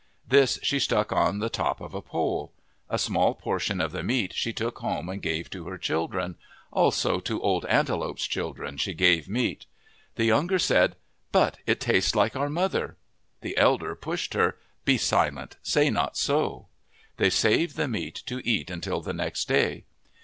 This she stuck on the top of a pole. A small portion of the meat she took home and gave to her children. Also to Old Antelope's children she gave meat. The younger said, " But it tastes like our mother." The elder pushed her :" Be silent. Say not so." They saved the meat to eat until the next day.